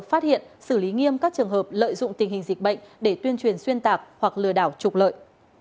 phát hiện xử lý nghiêm các trường hợp lợi dụng tình hình dịch bệnh để tuyên truyền xuyên tạc hoặc lừa đảo trục lợi